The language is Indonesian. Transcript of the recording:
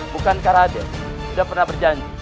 bukankah raden sudah pernah berjanji